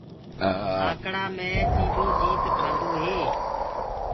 آنڪڙآ مي ٽيڏو جيت ڪآندو هي۔